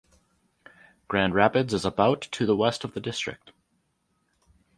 Grand Rapids is about to the west of the district.